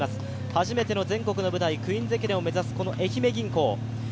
初めての全国の舞台、クイーンズ駅伝を目指す愛媛銀行。